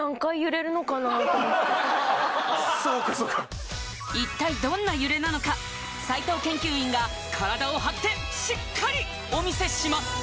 そうかそうか一体どんな揺れなのか斉藤研究員が体を張ってしっかりお見せします！